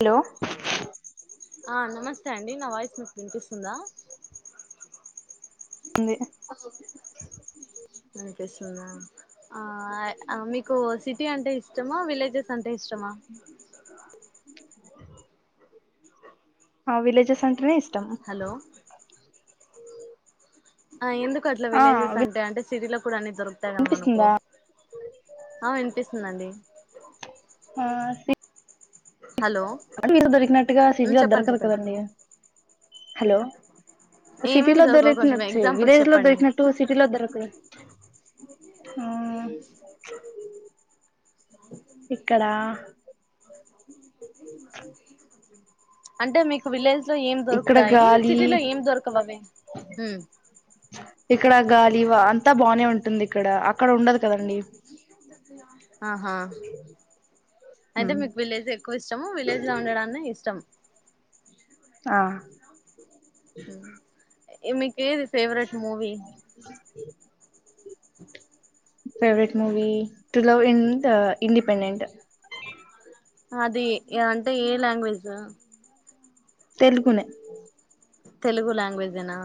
Hello ఆ నమస్తే అండి నా వాయిస్ మీకు వినిపిస్తుందా? ఉంది అహు వినిపిస్తుందా ఆ అ మీకు సిటీ అంటే ఇష్ ఇష్టమా విలేజెస్ అంటే ఇష్టమా ఆ విలేజస్ అంటేనే ఇస్ హలో ఆ ఎందుకు అట్లా ఆ విలేజెస్ అంటే అంటే సిటీలో కూడా అన్ని దొరుక్ తదా మనకు వినిపిస్తుందా ఆ ఇంపిస్తుందండి. ఆ సి హలో అంటే ఈళ్ళు దొరికినట్టుగా ఉమ్, సిటిలో చెప్పండి దొరకదు చెప్పండి కదండీ హలో ఏమేమి సిటీలో దొరకవు దొరకి కొంచెం చి ఎగ్జాంపుల్స్ విలేజ్ లో చెప్పండి దొరికినట్టు సిటీలో దొరకదు. ఆ చ్ ఇక్కడ అంటే మీకు విలేజ్ లో ఏం ఇక్కడ దొరుకుతాయి. గాలి సిటీలో ఏం దొరకవవి? [inaudible] ఇక్కడ గాలి వా అంతా బానే ఉంటుంది ఇక్కడ అక్ ఆహా అయితే మీకు విలేజ్ ఎక్కువ ఇష్టము. విలేజ్ లో ఉండడాన్ని ఇష్టం. ఆ మీకేది favourite movie? [inaudible] Favourite movie to love Ind the independent అది య అంటే ఏ లాంగ్వేజు తెలుగునే తెలుగు లాంగ్వేజేనా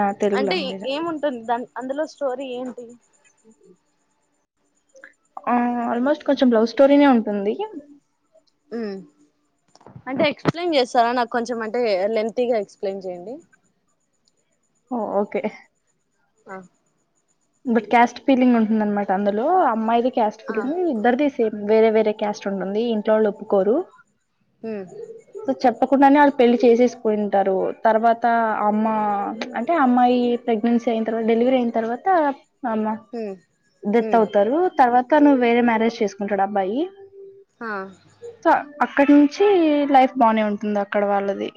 ఆ తెలుగు అంటే లాంగ్వేజ్ ఏముంటుంది దాని అందులో స్టోరీ ఏంటి ఆ ఆల్మోస్ట్ కొంచెం లవ్ స్టోరీనే ఉంటుంది. ఊ అంటే ఎక్స్ప్లెయిన్ జేస్తారా, నాకు కొంచెం అంటే లెంతీగా ఎక్స్ప్లెయిన్ జేయండి. ఓ ఓకే ఆ బట్ క్యాస్ట్ ఫీలింగ్ ఉంటుందన్నమాట. అందులో అమ్మాయిది క్యాస్ట్ ఆ ఫీలింగ్ ఇద్దరిది సేమ్ వేరే వేరే క్యాస్ట్ ఉంటుంది ఇంట్లోళ్ళు ఒప్పుకోరు. ఉమ్ కోట్టనానే ఆళ్ళు పెళ్లి చేసేసుకుంటారు. తర్వాత అమ్మ చ్ అంటే అమ్మాయి ప్రెగ్నెన్సీ అయిన తర్వాత డెలివరీ అయిన తర్వాత అమ్మ హ్మ్ డెత్ హ్మ్ అవుతారు తర్వా తను వేరే మ్యారేజ్ చేసుకుంటాడు అబ్బాయి హ అక్కడ నుంచి లైఫ్ బానే ఉంటుంది అక్కడ వాళ్ళది.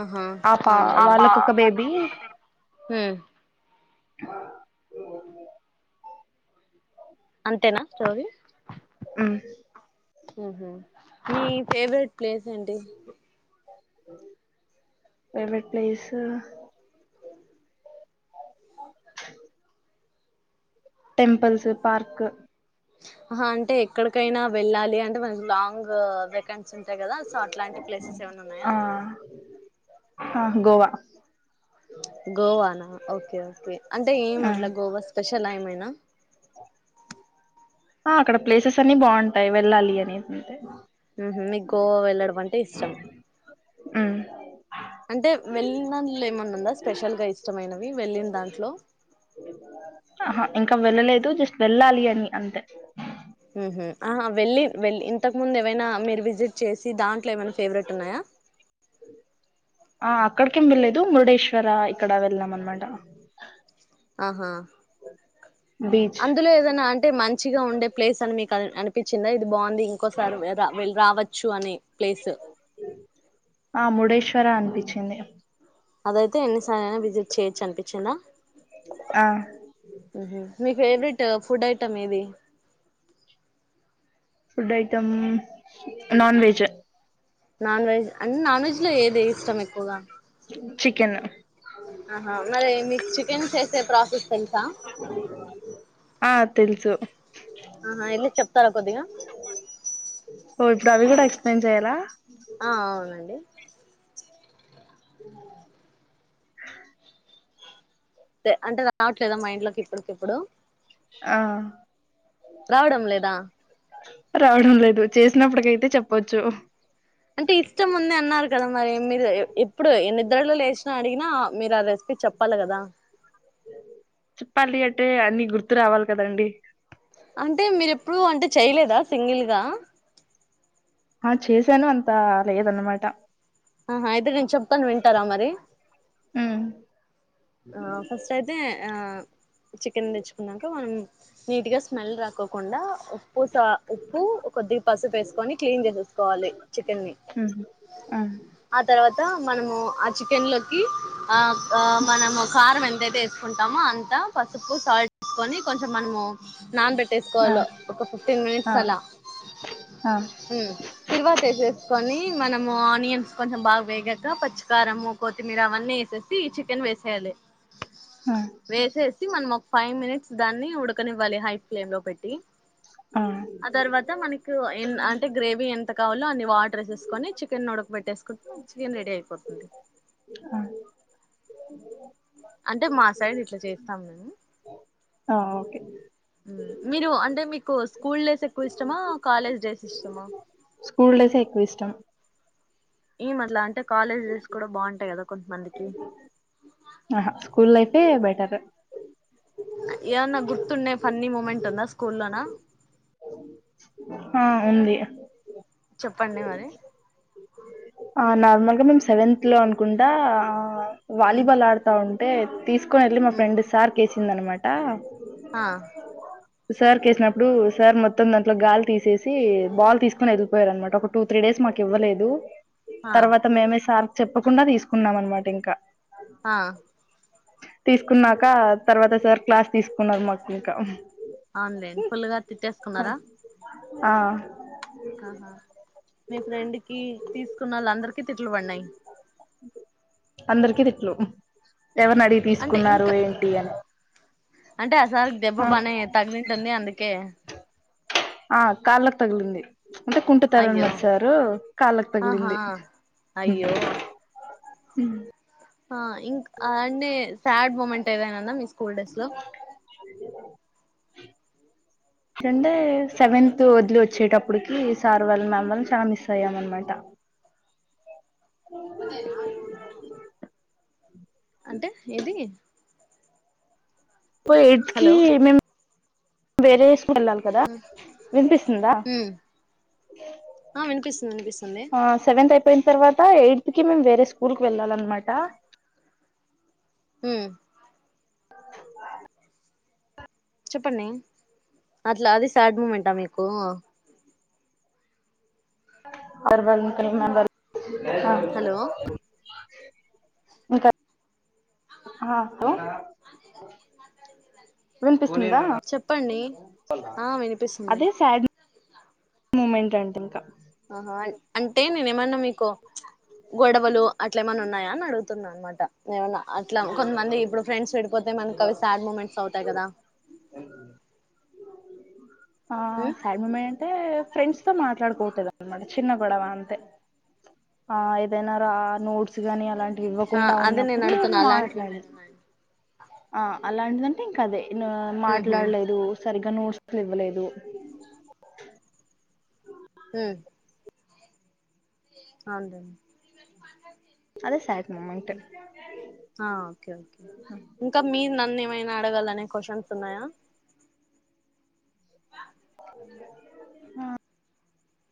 ఆహా ఆపా వాళ్ళకు ఒక అవునులేండి బేబీ [inaudible] హ్మ్ అంతేనా స్టోరి ఆ హ మీ ఫేవరెట్ ప్లేస్ ఏంటి ఫేవరెట్ ప్లేస్ టెంపుల్స్ పార్క్ అంటే ఎక్కడికైనా వెళ్ళాలి అంటే మనకి లాంగ్ వేకన్స్ ఉంటాయి కదా సో అట్లాంటి ప్లేసెస్ ఏమైన్నా ఉన్నాయా ఆ గోవా గోవానా ఓకే ఓకే అంటే ఏం అట్ల ఆ గోవా స్పెషల్ ఏమైనా ఆ అక్కడ ప్లేసెస్ అన్ని బాగుంటాయి వెళ్ళాలి అనిది అంటే మీకు గోవా వెళ్ళడం అంటే ఇష్టం ఆ అంటే వెళ్ళినలో ఏమన్నా ఉందా స్పెషల్ గా ఇష్టమైనవి వెళ్ళిన దాంట్లో ఆహా ఇంకా వెళ్ళలేదు జస్ట్ వెళ్ళాలి అని అంతే ఆ వెళ్ళి వెళ్ ఇంతకు ముందు ఏమైనా మీరు విజిట్ చేసి దాంట్లో ఏమైనా ఫేవరెట్ ఉన్నాయా [inaudible] ఆ అక్కడికేం వెళ్లేదు మురుడేశ్వర ఇక్కడ వెళ్దాం అనమాట ఆహా [inaudible] అందులో ఏదైనా అంటే మంచిగా ఉండే ప్లేస్ అని మీకు అనిపించిందా అది బాగుంది ఇంకోసారి వెళ రావచ్చు అనే ప్లేస్ క్కరా అనిపించింది [inaudible] అదైతే ఎన్నిసార్ అయినా విజిట్ చేయొచ్చు అనిపించిందా ఆ మీ ఫేవరెట్ ఫుడ్ ఐటెమ్ ఏది [inaudible] food item non veg non veg అంటే నాన్ వెజ్ లో ఏది ఇష్టం ఎక్కువగా చికెన్ ఆహా మరి మీకు చికెన్ చేసే ప్రాసిస్ తులుసా ఆ తెలుసు ఆహా ఎందుకు చెప్తారా కొద్దిగా ఎప్పుడూ అది కూడా ఎక్స్ప్లెయిన్ చేయాల ఆ అవునండి అ అంటే రావట్లేదా మైండ్ లోకి ఇప్పడికిప్పుడు ఆ రావడం లేదా రావడం లేదు చేసినప్పుటికయితే చెప్పొచ్చు అంటే ఇష్టం ఉంది అన్నారు కదా మరి మీరు ఎప్పుడు నిద్రలో లేచినా అడిగినా మీరు ఆ రెసిపీ చెప్పాలి కదా అన్నీ గుర్తు రావాలి కదండి అంటే మీరు ఎప్పుడు అంటే చెయలేదా సింగిల్గా ఆ చేశాను అంతా లేదన్నమాట ఆహా అయితే నేను చెప్తాను వింటారా మరి ఉమ్ ఆ ఫస్ట్ అయితే చికెన్ తెచ్చుకున్నాక మనం నీట్గా స్మెల్ రాక్కకుండా [inaudible] ఉప్పు కొద్దిగా పసుపు వేసుకొని క్లీన్ చేసేసుకోవాలి చికెన్ ని ఉహు. ఆ ఆ తర్వాత మనము ఆ చికెన్ లోకి ఆ మనము కారం ఎంతైతే వేసుకుంటామో అంత పసుపు సాల్ట్ తీసుకొని కొంచెం మనము నాన్ ఆ పెట్టేసుకోవాలో ఒక ఫిఫ్టీన్ మినిట్స్ ఆ అలా ఆ ఉ తిరువాత వేసుకో కొని మనము ఆనియన్స్ కొంచెం బాగా వేగాక పచ్చికారము కొత్తిమీర అవన్నీ వేసేసి చికెన్ వే సాలీ ఆ వేసే మనం ఒక ఫైవ్ మినిట్స్ దాన్ని ఉడకనివ్వాలి హై ఫ్లేమ్లో పెట్టి ఆ తర్వాత మనకు ఎన్ అంటే గ్రేవీ ఎంత కావాలో అన్ని వాటర్ ఏసేస్కొని చికెన్ ఉడక పెట్టేస్కుం చికెన్ రెడీ అయిపోతుంది. అ అంటే మా సైడ్ ఇట్ల చేస్తాం మేము ఆ ఓకే మీరు అంటే మీకు స్కూల్ డేస్ ఎక్కు ఇష్టమా కాలేజ్ డేస్ ఇష్టమా స్కూల్ డేసే ఎక్కు ఇష్టం. ఏం అట్ల అంటే కాలేజ్ డేస్ కూడా బాగుంటాయి కదా కొంతమందికి ఆహా స్కూల్ లైఫే బెటర్ ఏమన్న గుర్తున్నయి ఫన్నీ మూమెంట్ ఉందా స్కూల్లోనా హా ఉంది. చెప్పండి మరి ఆ నార్మల్గా మేం సెవెన్త్లో అన్కుంటా ఆ ఉమ్, వాలీబాల్ ఆడ్తా ఉంటే తీస్కొన్ ఎళ్ళి మా ఉమ్, ఫ్రెండ్ సార్కేసిందన్మాట. ఆ సార్కేసినప్పుడు సార్ మొత్తం దాంట్లో గాల్ తీసేసి బాల్ తీస్కొని ఎల్లిపోయారన్నమాట ఒక టూ త్రీ డేస్ మాక్ ఇవ్వలేదు. ఆ తర్వాత మేమే సార్ చెప్పకుండా తీస్కున్నాం అన్మాట ఇంకా ఆ తీస్కున్నాక తర్వాత సార్ క్లాస్ తీస్కున్నారు మాకింక ఆన్లైన్ ఫుల్గా తిట్టేస్కున్నారా ఆ ఆహా మీ ఫ్రెండ్కి తీస్కున్నోలందరికీ తిట్లు పడినయి అందరికి తిట్లు ఎవర్నడిగి అంటే తీస్కున్నారు ఇంకా ఏంటి అని అంటే ఆ సార్కి దెబ్బ బానే తగిలిటుంది అందుకే ఆ కాళ్ళక్ తగిలింది. అంటే అయ్యో కుంటుతారన్నమాట సార్ కాళ్ళకు ఆహా తగిలింది. అయ్యో ఆ ఇంక్ అండి సాడ్ మూమెంట్ ఏదైనా ఉందా స్కూల్ డేస్ లో ఏంటంటే సెవెంత్ వదిలి వచ్చేటప్పటికి సార్ వాళ్ళన్ మ్యామ్ వాళ్ళన్ చాలా మిస్ అయ్యాం అన్నమాట. అదే నా ఫోను అంటే ఇది పో ఎయిట్కి హలో మేం వేరే వెళ్ళాలి కదా విన్పిస్తుందా. ఉమ్ ఆ వినిపిస్తుంది వినిపిస్తుంది ఆ సెవెంత్ అయి అయిపోయిన్ తర్వాత ఎయిత్కి మేం వేరే స్కూల్కి వెళ్ళాలన్నమాట. హ్ మ్ చెప్పండి అట్ల అది సాడ్ మూమెంటా మీకు హలో [unintelligible] ఇంక ఆ హలో విన్పిస్తుందా చెప్పండి ఆ వినిపిస్తుంది అదే సాడ్ మూమెంట్ అంటే ఇంకా ఆహా అంటే నేన్ ఏమన్న మీకు గొడవలు అ అట్లెం ఏమన్న ఉన్నయా అని అడుగుతున్నా అన్మాట. ఏమన్నా అట్ల కొంతమంది ఇప్పుడు ఫ్రెండ్స్ విడిపోతే మనకు అవి సాడ్ మూమెంట్స్ అవుతాయి కదా ఆ ఉ సాడ్ మూమెంట్ అంటే ఫ్రెండ్స్తో మాట్లాడుకోవట్లేద్ అన్మాట. చిన్న కొడవ అంత ఆ ఇద్ ఏదైనా రా నోట్స్ గాని అలాంటివి ఆ ఇవ్వకుండా అదే నేను ఉన్నప్పుడు అడుగుతున్నా అలాంటివి ఏమైనా మాట్లాడలేదు ఉన్నాయా ఆ అలాంటిదంటే ఇంకా అదే నువ్ ఉహు మాట్లాడలేదు సరిగ్గా నోట్స్ ఇవ్వలేదు ఉమ్ ఆ అండి అదే సేడ్ మూమెంట్ ఆ ఓకే ఓకే ఇంకా మీర్ నన్ను ఏమైనా అడగాలనే క్వశ్చన్స్ ఉన్నాయా వా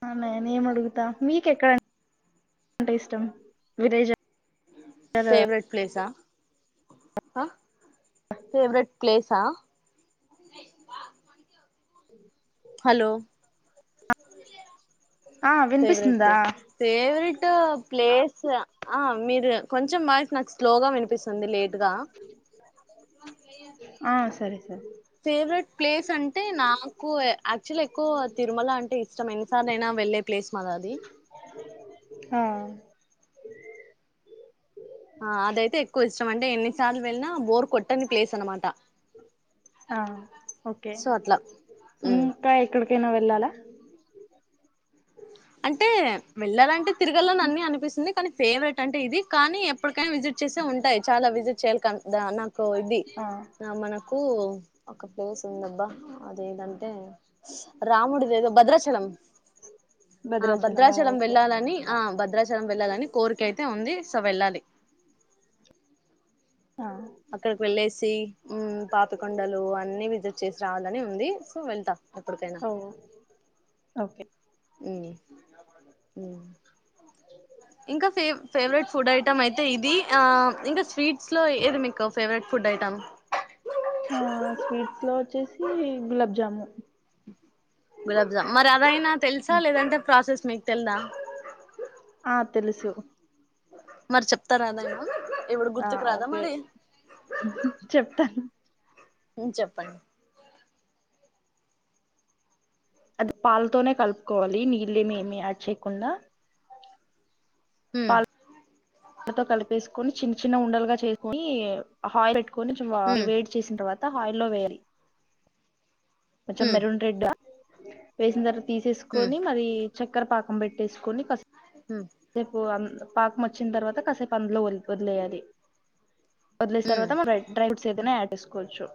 అ నేన్ అడుగుతా మీకెక్కడ అంటే ఇష్టం విరేజ ఫేవరెట్ ప్లేస్ ఆ ఆ ఫేవరెట్ ప్లేసా ఎ హలో ఆ ఫవరెట్ వినిపిస్తుందా ప్లేస్ ఫేవరెట్ ఫేవరెట్ ప్లేస్ ఆ మీరు కొంచెం వాయస్ నాకు స్లోగా వినిపిస్తుంది లేట్ ఆ సరే సరే ఫెవరెట్ ప్లే స్ అంటే నాకు యాక్చువల్ ఎక్కువ తిరుమల అంటే ఇష్టం ఎన్నిసార్ లైనా వెళ్ళే ప్లేస్ మాది అది ఆ ఆ అదైతే ఎక్కువ ఇష్టం అంటే ఎన్నిసార్లు వెళ్ళిన బోర్ కొట్టని ప్లేస్ అనమాట ఆ ఓకే సో అట్లా ఉమ్ ఇంకా ఎక్కడికైనా వెళ్ళాలా అంటే వెళ్ళాలంటే తిరగలని అన్నీ అనిపిస్తుంది కానీ ఫేవరెట్ అంటే ఇది కానీ ఎప్పటికైనా విజిట్ చేసే ఉంటాయి చాలా విజిట్ చేయాల కన్ దాన కొడి ఆ నా మన నాకు ఒక ప్లేస్ ఉందబ్బా అదేంటంటే ఇష్ రాముడిది ఏదో భద్రాచలం ఆ భద్రాచలమా భద్రాచలం ఓకే వెళ్ళాలని ఆ భద్రాచలం వెళ్లాలని కోరిక అయితే ఉంది సో వెళ్ళలి ఆ అక్కడికి వెళ్ళేసి ఉమ్ పాపికొండలు అన్ని విజిట్ చేసి రావాలని ఉంది సో వెళ్తా ఎప్పటికైనా ఓ ఓకే ఉమ్ ఉమ్ అ ఇంకా ఫేవ్ ఫేవరెట్ ఫుడ్ ఐటమ్ అయిత్ అయితే ఇది ఆ ఇంకా స్వీట్స్ లో ఏది మీకు ఫేవరెట్ ఫుడ్ ఐటమ్ ఆ స్వీట్స్ లో వచ్చేసి గులబ్ గులాబ్ జామ్ మరి అదైనా తెలుసా లేదంటే ప్రాసెస్ మీకు తెల్దా ఆ తెలుసు మరి చెప్తారా అది అయిన ఇప్పుడు ఆ గుర్తుకు రాదా ఓకే మరి చెప్తాను ఉమ్ చెప్పండి అది పాలతోనే కలుపుకోవాలి నీళ్ళ ఏమి ఏమి యాడ్ చేయకుండా ఉమ్ తో కలిపేసుకొని చిన్న చిన్న ఉండలుగా చేసుక పెట్టి [unintelligible] కొంచెం మ్మ్ వేడి చేసిన తర్వాత హాయిల్లో వేయాలి కొంచెం మ్మ్ మెరూన్ రెడ్ వేసిన తర్వాత మ్మ్ తీసేసుకొని మరి చక్కెర పాకం పెట్టేసుకొని మ్మ్ కాసేపు పాకం వచ్ వచ్చినతరువాత అందులో వాల్ వదిలేయాలి వదిలేసిన మ్మ్ తర్వాత డ్రై ఫుడ్స్ యాడ్ తీసుకోవచ్చు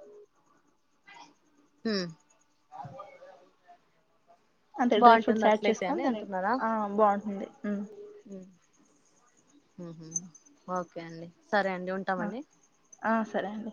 హ అంతే డ్రై ఫ్రూట్స్ యాడ్ అని చేసుకని అంటున్నారా ఆ బాగుంటుంది ఉమ్, ఓకే అండి సరే అండి ఆ ఉంటామండి ఆ సరే అండి